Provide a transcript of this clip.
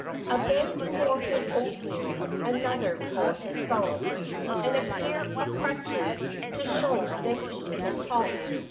A bag for his oatmeal, Another for his salt; And a pair of crutches, To show that he can halt.